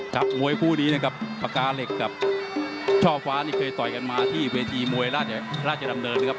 มวยคู่นี้นะครับปากกาเหล็กกับช่อฟ้านี่เคยต่อยกันมาที่เวทีมวยราชดำเนินนะครับ